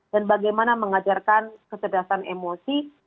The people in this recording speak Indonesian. dan bagaimana mengajarkan kecerdasan emosi